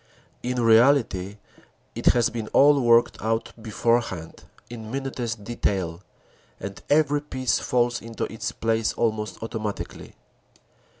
In reality it has been all worked out beforehand in minutest detail and every piece falls into its place almost automatically.